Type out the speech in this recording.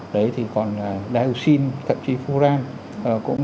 đấy thì còn là dioxin thậm chí phương